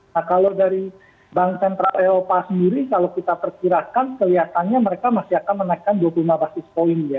nah kalau dari bank sentral eropa sendiri kalau kita perkirakan kelihatannya mereka masih akan menaikkan dua puluh lima basis point ya